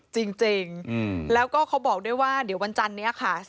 จริงแล้วก็เขาบอกด้วยว่าเดี๋ยววันจันนี้ค่ะ